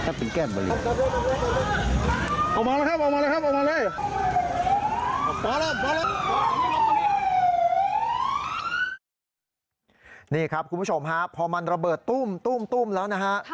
นี่ครับคุณผู้ชมฮะพอมันระเบิดตุ้มแล้วนะฮะ